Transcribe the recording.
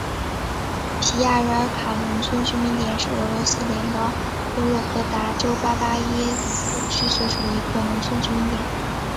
皮亚热尔卡农村居民点是俄罗斯联邦沃洛格达州巴巴耶沃区所属的一个农村居民点。